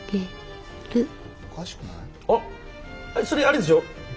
それあれでしょ